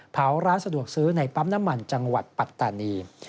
ร้านสะดวกซื้อในปั๊มน้ำมันจังหวัดปัตตานี